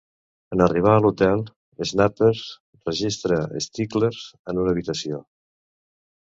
En arribar a l'hotel, Snapper registra Stichler en una habitació.